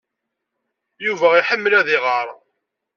Yuba iḥemmel ad iɣer.